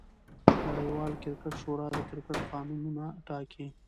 نړۍواله کرکټ شورا د کرکټ قانونونه ټاکي.